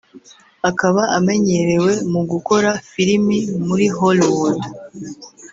akaba amenyerewe mu gukora filimi muri Hollwood